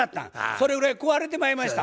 それぐらい壊れてまいました